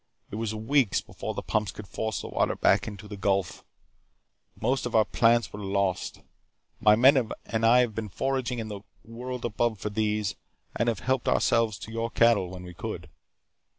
It was weeks before the pumps could force the water back into the Gulf. Most of our plants were lost. My men and I have been foraging in the world above for these and have helped ourselves to your cattle when we could.